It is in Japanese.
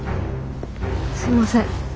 すいません。